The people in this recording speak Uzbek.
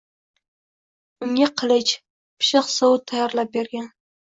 Unga qilich, pishiq sovut tayyorlab bergan